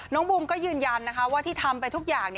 น้องบูมก็ยืนยันว่าที่ทำไปทุกอย่าง